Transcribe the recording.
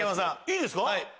いいですか？